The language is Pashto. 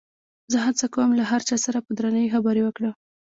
زه هڅه کوم چې له هر چا سره په درناوي خبرې وکړم.